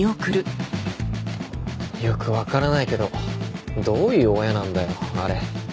よくわからないけどどういう親なんだよあれ。